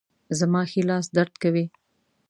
زما ښي لاس درد کوي